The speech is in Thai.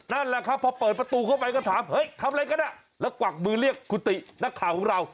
นั่นแหละครับพอเปิดประตูเข้าไปก็ถามเฮ้ยทำอะไรก็ได้แล้วกวักมือเรียกกุฏินักข่าวของเรา